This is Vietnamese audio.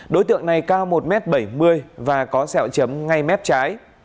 đối tượng này cao một m bảy mươi và có sẹo chấm ngay mép trái